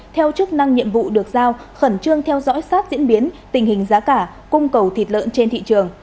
theo chức năng nhiệm vụ được giao khẩn trương theo dõi sát diễn biến tình hình giá cả cung cầu thịt lợn trên thị trường